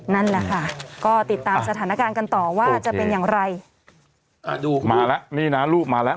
นั่นแหละค่ะก็ติดตามสถานการณ์กันต่อว่าจะเป็นอย่างไรอ่าลูกมาแล้วนี่นะลูกมาแล้ว